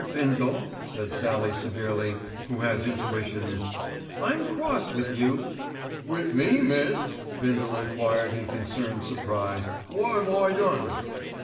Bindle," said Sallie severely, who has intuitions, "I'm cross with you." "Wi' me, miss?" Bindle enquired in concerned surprise. "Wot 'ave I done?"